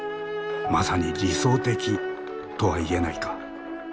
「まさに理想的」とは言えないか？